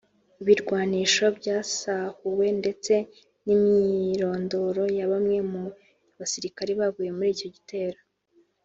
ibirwanisho byasahuwe ndetse n’imyirondoro ya bamwe mu basilkari baguye muri iki gitero